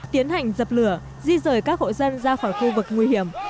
tiến hành dập lửa di rời các hộ dân ra khỏi khu vực nguy hiểm